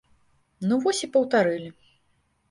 Ну вось і паўтарылі.